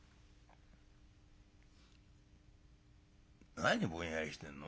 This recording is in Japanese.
「何ぼんやりしてんの？